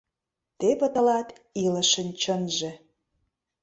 Теве тылат илышын чынже!